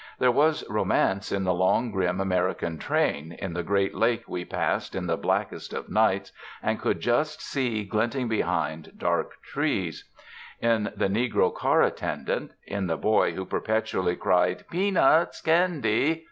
There was romance in the long grim American train, in the great lake we passed in the blackest of nights, and could just see glinting behind dark trees; in the negro car attendant; in the boy who perpetually cried: 'Pea nuts! Candy!'